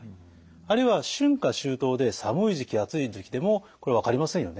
あるいは春夏秋冬で寒い時期暑い時期でもこれ分かりませんよね。